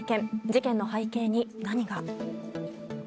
事件の背景に何が。